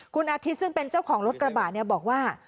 คุณอาทิตย์ซึ่งเป็นเจ้าของรถกระบะเนี่ยบอกว่า